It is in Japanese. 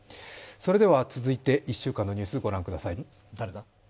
続いて１週間のニュース御覧ください。